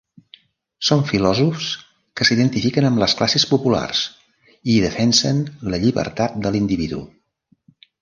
Són filòsofs que s'identifiquen amb les classes populars i defensen la llibertat de l'individu.